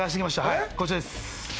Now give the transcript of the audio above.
はいこちらです